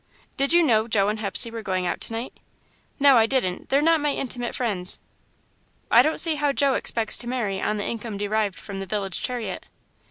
"Did you know Joe and Hepsey were going out to night?" "No, I didn't they're not my intimate friends." "I don't see how Joe expects to marry on the income derived from the village chariot."